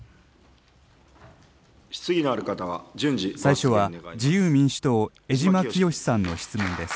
最初は自由民主党、江島潔さんの質問です。